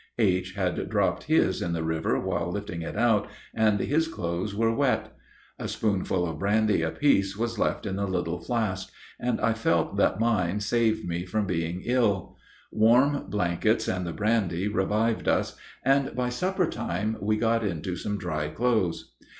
H. had dropped his in the river while lifting it out, and his clothes were wet. A spoonful of brandy apiece was left in the little flask, and I felt that mine saved me from being ill. Warm blankets and the brandy revived us, and by supper time we got into some dry clothes.